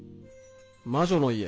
「魔女の家」